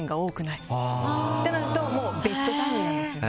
ってなるともうベッドタウンなんですよね。